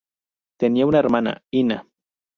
Tenía una hermana, Inna.